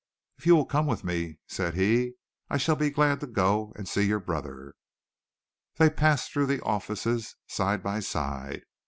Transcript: "If you will come with me," said he, "I should be glad to go and see your brother." They passed through the offices side by side.